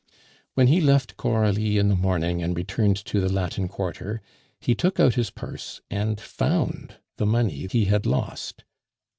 When he left Coralie in the morning and returned to the Latin Quarter, he took out his purse and found the money he had lost.